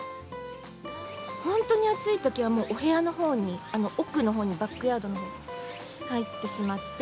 本当に暑いときは、もうお部屋のほうに、奥のほうに、バックヤードのほうに入ってしまって。